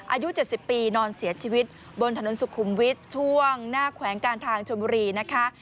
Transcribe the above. อายุ๗๐ปีนอนเสียชีวิตบนถนนสุขุมวิทย์ช่วงหน้าแขวงการทางชนบุรีนะคะ